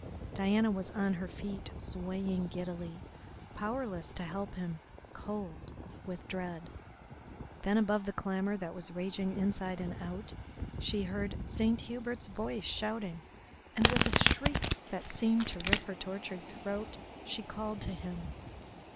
Diana was on her feet, swaying giddily, powerless to help him, cold with dread. Then above the clamour that was raging inside and out she heard Saint Hubert's voice shouting, and with a shriek that seemed to rip her tortured throat she called to him.